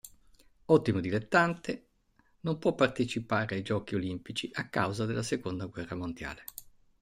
Ottimo dilettante, non può partecipare ai Giochi Olimpici a causa della seconda guerra mondiale.